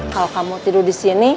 kalau kamu tidur di sini